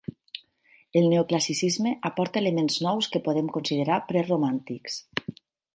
El Neoclassicisme aporta elements nous que podem considerar preromàntics.